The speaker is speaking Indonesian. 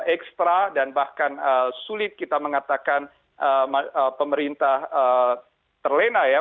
ekstra dan bahkan sulit kita mengatakan pemerintah terlena ya